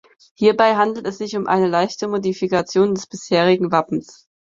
Hierbei handelt es sich um eine leichte Modifikation des bisherigen Wappens.